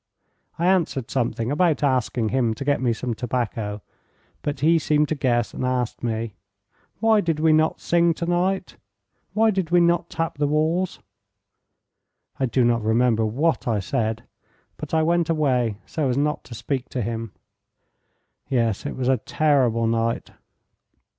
I answered something about asking him to get me some tobacco, but he seemed to guess, and asked me: 'Why did we not sing to night, why did we not tap the walls?' I do not remember what I said, but I went away so as not to speak to him. Yes. It was a terrible night.